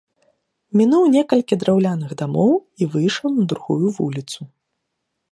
Мінуў некалькі драўляных дамоў і выйшаў на другую вуліцу.